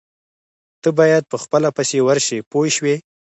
تۀ باید په خپله پسې ورشې پوه شوې!.